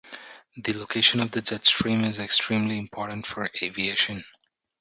The location of the jet stream is extremely important for aviation.